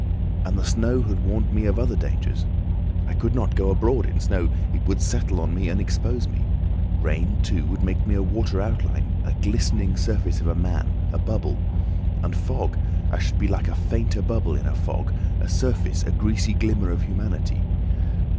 And the snow had warned me of other dangers. I could not go abroad in snow—it would settle on me and expose me. Rain, too, would make me a watery outline, a glistening surface of a man—a bubble. And fog—I should be like a fainter bubble in a fog, a surface, a greasy glimmer of humanity.